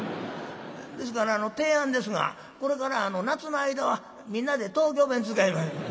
ですから提案ですがこれから夏の間はみんなで東京弁使いましょう。